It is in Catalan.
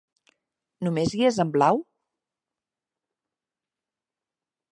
Només hi és en blau?